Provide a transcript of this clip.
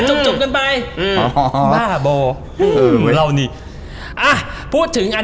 จบจบเกินไปอ๋อบ้าโบอื้อเว้ยเล่านี่อ่ะพูดถึงอัน